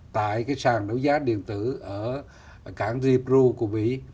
tại cái sàn đấu giá điện tử ở cảng zebro của mỹ